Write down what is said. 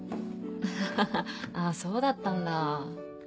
アハハあそうだったんだ。